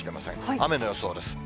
雨の予想です。